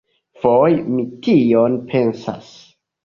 Foje mi tion pensas.